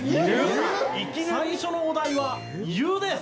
最初のお題は「ゆ」です。